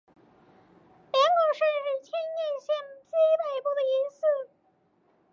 镰谷市是千叶县西北部的一市。